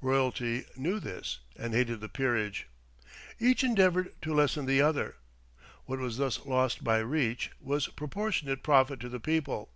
Royalty knew this, and hated the peerage. Each endeavoured to lessen the other. What was thus lost by each was proportionate profit to the people.